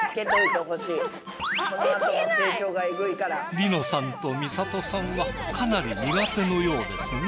梨乃さんと美里さんはかなり苦手のようですね。